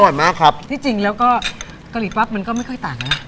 มากครับที่จริงแล้วก็กะหรี่ปั๊บมันก็ไม่ค่อยต่างนะ